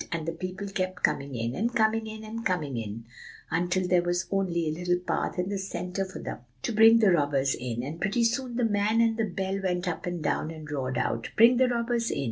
And the people kept coming in, and coming in, and coming in, until there was only a little path in the centre for them to bring the robbers in; and pretty soon the man with the bell went up and down, and roared out, 'Bring the robbers in!